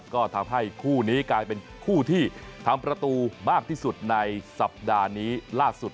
ก็ทำให้คู่นี้กลายเป็นคู่ที่ทำประตูมากที่สุดในสัปดาห์นี้ล่าสุด